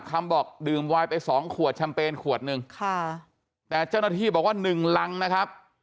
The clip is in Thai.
คำบอกดื่มวายไป๒ขวดชัมเปญขวด๑ขา๑ลังนะครับ